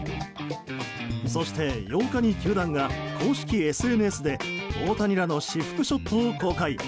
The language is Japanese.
そして８日に球団が公式ＳＮＳで大谷らの私服ショットを公開。